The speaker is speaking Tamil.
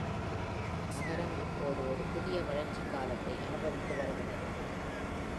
நகரம் இப்போது ஒரு புதிய வளர்ச்சி காலத்தை அனுபவித்து வருகிறது.